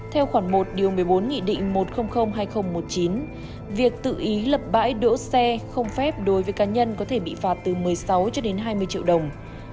theo khoảng một một mươi bốn nghị định một triệu hai nghìn một mươi chín việc tự ý lập bãi đỗ xe không phép đối với cá nhân có thể bị phạt từ một mươi sáu hai mươi triệu đồng